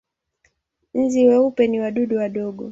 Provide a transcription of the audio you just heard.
Nzi weupe ni wadudu wadogo.